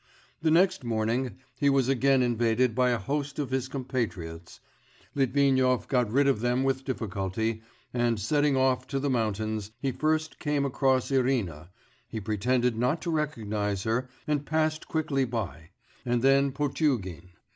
The next morning he was again invaded by a host of his compatriots; Litvinov got rid of them with difficulty, and setting off to the mountains, he first came across Irina he pretended not to recognise her, and passed quickly by and then Potugin.